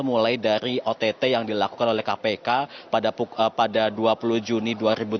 mulai dari ott yang dilakukan oleh kpk pada dua puluh juni dua ribu tujuh belas